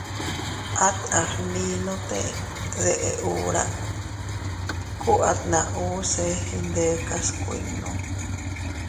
At a gndinote te deʼe hura, ku atna uu se iyndekas kuinnu.